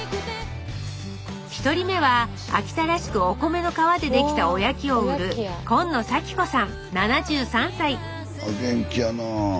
１人目は秋田らしくお米の皮でできたおやきを売るお元気やなあ。